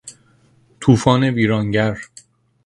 توفان ویرانگر